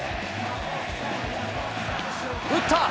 打った！